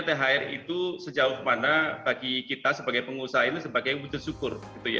thr itu sejauh mana bagi kita sebagai pengusaha ini sebagai wujud syukur